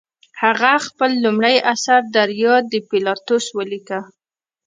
هغه خپل لومړی اثر دریا د پیلاتوس ولیکه.